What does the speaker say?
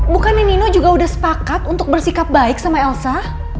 bukannya nino juga sudah sepakat untuk bersikap baik sama elsa